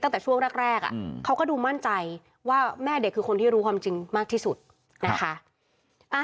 ตั้งแต่ช่วงแรกเขาก็ดูมั่นใจว่าแม่เด็กคือคนที่รู้ความจริงมากที่สุดนะคะ